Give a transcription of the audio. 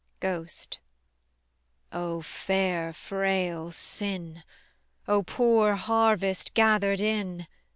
GHOST. O fair frail sin, O poor harvest gathered in!